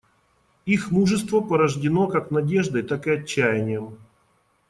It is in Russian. Их мужество порождено как надеждой, так и отчаянием.